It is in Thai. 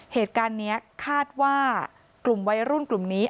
เหตุการณ์นี้คาดว่ากลุ่มวัยรุ่นกลุ่มนี้